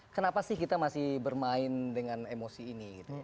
kenapa sih kita masih bermain dengan emosi ini